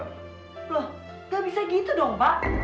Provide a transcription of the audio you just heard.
loh gak bisa gitu dong pak